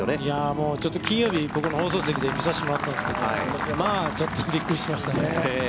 もう金曜日、ここの放送席で見させてもらったんですけど、まあちょっとびっくりしましたね。